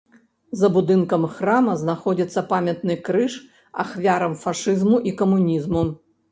За будынкам храма знаходзіцца памятны крыж ахвярам фашызму і камунізму.